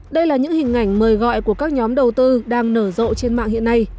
đây là những hình ảnh mời gọi của các nhóm đầu tư đang nở rộ trên mạng hiện nay